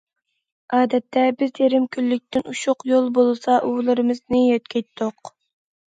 ئادەتتە بىز يېرىم كۈنلۈكتىن ئوشۇق يول بولسا ئۇۋىلىرىمىزنى يۆتكەيتتۇق.